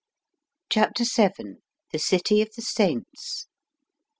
CHAPTEE VII. THE CITY OF THE SAINTS.